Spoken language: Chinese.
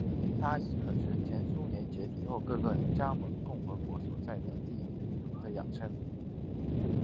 它亦可以是前苏联解体后各个加盟共和国所在的地域的雅称。